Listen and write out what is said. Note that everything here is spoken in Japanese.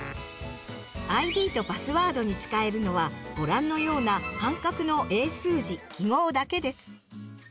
ＩＤとパスワードに使えるのはご覧のような半角の英数字・記号だけです。